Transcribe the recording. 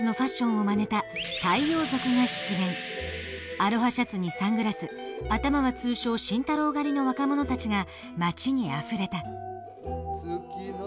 アロハシャツにサングラス頭は通称「慎太郎刈り」の若者たちが街にあふれた。